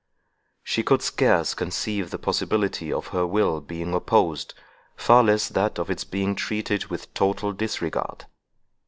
She could scarce conceive the possibility of her will being opposed, far less that of its being treated with total disregard.